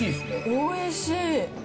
おいしい！